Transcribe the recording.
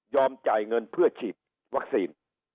จ่ายเงินเพื่อฉีดวัคซีน